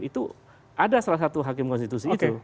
itu ada salah satu hakim konstitusi itu